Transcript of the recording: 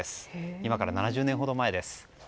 今から７０年ほど前です。